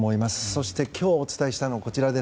そして今日お伝えしたいのがこちら。